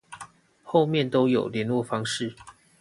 後面都有連絡方式